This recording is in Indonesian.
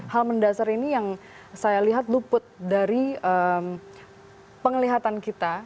hal mendasar ini yang saya lihat luput dari penglihatan kita